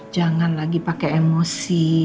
jangan lagi pakai emosi